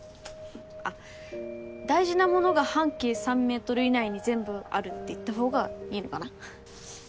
あっ大事なものが半径３ｍ以内に全部あるって言った方がいいのかな。